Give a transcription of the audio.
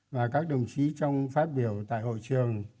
và các đồng chí trong phát biểu tại hội trường